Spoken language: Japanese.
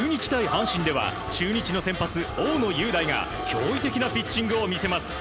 阪神では中日の先発大野雄大が驚異的なピッチングを見せます。